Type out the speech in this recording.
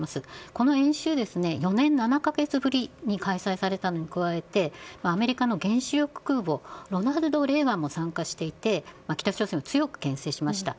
この演習は４年７か月ぶりに開催されたのに加えてアメリカの原子力空母「ロナルド・レーガン」も参加していて北朝鮮を強く牽制しました。